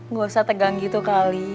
nggak usah tegang gitu kali